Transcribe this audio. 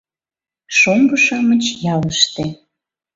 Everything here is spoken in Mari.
Шоҥго-шамыч ялыште.